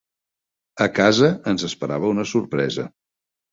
A casa ens esperava una sorpresa.